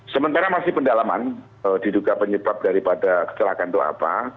sementara masih pendalaman diduga penyebab daripada kecelakaan itu apa